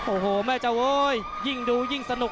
โอโหแม่เจ้าโว้ยยิ่งดูยิ่งสนุกเลยครับ